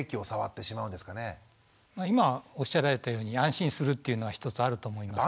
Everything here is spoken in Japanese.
今おっしゃられたように安心するっていうのは一つあると思いますけど。